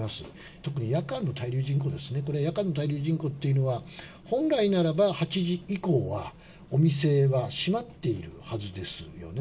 特に夜間の滞留人口ですね、これ、夜間の滞留人口というのは、本来ならば８時以降はお店は閉まっているはずですよね。